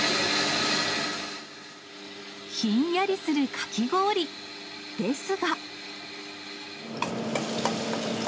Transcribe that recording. ひんやりするかき氷ですが。